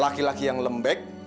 laki laki yang lembek